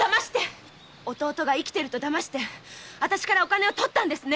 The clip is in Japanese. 弟が生きていると偽ってわたしからお金を取ったんですね！